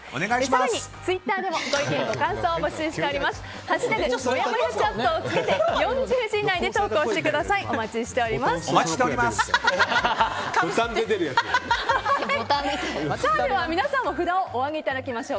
更に、ツイッターでもご意見、ご感想を募集しています。